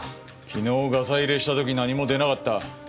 昨日ガサ入れした時何も出なかった。